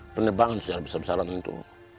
penebangan secara besar besaran itu